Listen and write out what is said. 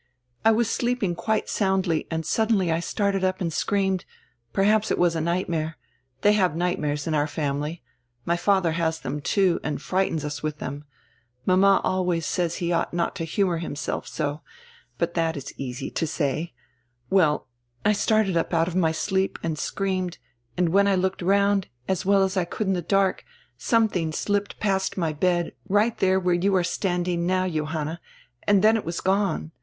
" "I was sleeping quite soundly and suddenly I started up and screamed — perhaps it was a nightmare — diey have nightmares in our family — My father has them, too, and frightens us widi diem. Mama always says he ought not to humor himself so — But that is easy to say — Well, I started up out of my sleep and screamed, and when I looked around, as well as I could in die dark, something slipped past my bed, right diere where you are stand ing now, Johanna, and dien it was gone.